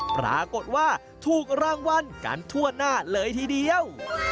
ปรากฏว่าถูกรางวัลกันทั่วหน้าเลยทีเดียว